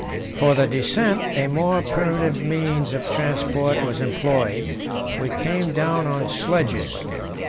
For the descent a more primitive means of transport was employed: we came down on sledges.